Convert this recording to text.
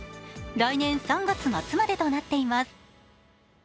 来年３月末までとなっています。